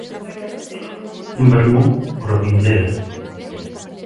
Un vermú por Vindel.